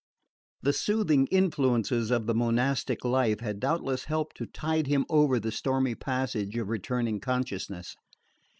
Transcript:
The soothing influences of the monastic life had doubtless helped to tide him over the stormy passage of returning consciousness.